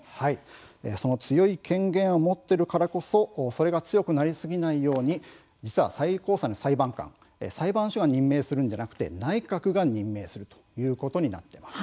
その強い権限を持っているからこそそれが強くなりすぎないように実は最高裁の裁判官は裁判所が任命するのではなく内閣が任命するということになっています。